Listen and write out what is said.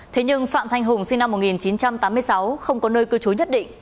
thế nhưng phạm thanh hùng sinh năm một nghìn chín trăm tám mươi sáu không có nơi cư trú nhất định